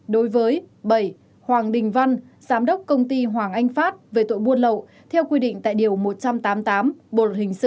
đối với bảy hoàng đình văn giám đốc công ty hoàng anh phát về tội buôn lậu theo quy định tại điều một trăm tám mươi tám bộ luật hình sự